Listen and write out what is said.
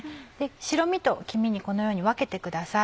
白身と黄身にこのように分けてください。